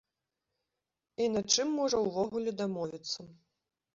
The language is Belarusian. І на чым можа ўвогуле дамовіцца.